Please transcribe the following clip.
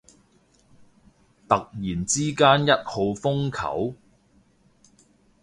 突然之間一號風球？